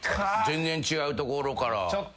全然違うところから。